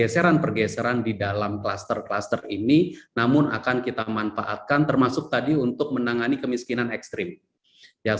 semester ini namun akan kita memanfaatkan termasuk tadi untuk menangani kemiskinan ekstrim yang